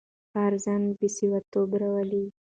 کار ځان بسیا توب راولي.